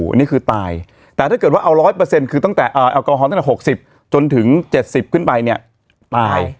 อันนี้คือตายแต่ถ้าเกิดว่าเอา๑๐๐คือตั้งแต่แอลกอฮอลตั้งแต่๖๐จนถึง๗๐ขึ้นไปเนี่ยตาย